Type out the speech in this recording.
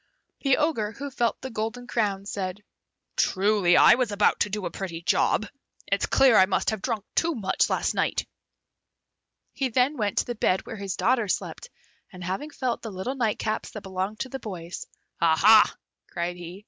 The Ogre, who felt the golden crowns, said, "Truly, I was about to do a pretty job! It's clear I must have drunk too much last night." He then went to the bed where his daughters slept, and having felt the little nightcaps that belonged to the boys. "Aha!" cried he.